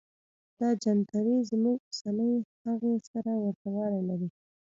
دا جنتري زموږ اوسنۍ هغې سره ورته والی لري.